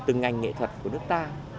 từng ngành nghệ thuật của nước ta